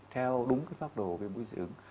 theo đúng pháp đồ viêm mũi dị ứng